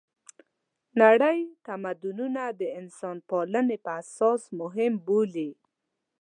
نړۍ تمدونونه د انسانپالنې په اساس مهم بولي.